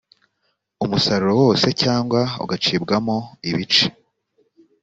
umusaruro wose cyangwa ugacibwamo ibice